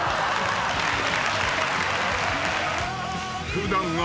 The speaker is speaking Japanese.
［普段は］